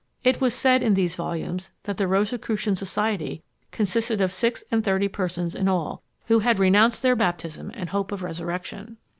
It was said in these volumes that the Rosicrucian society consisted of six and thirty persons in all, who had renounced their baptism and hope of resurrection.